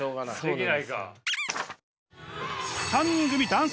できないか。